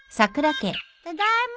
ただいま。